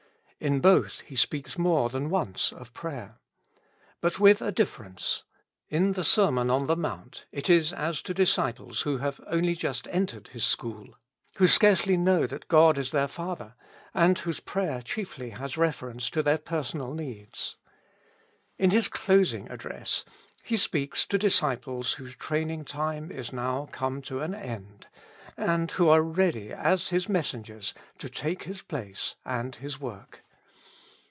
In both He speaks more than once of prayer. But with a difference. In the Sermon on the Mount it is as to disciples who have only just entered His school, who scarcely know that God is their Father, and whose prayer chiefly has reference to their personal needs. In His closing address He speaks to disciples whose training time is now come to an end, and who are ready as His messengers to take His place and His work.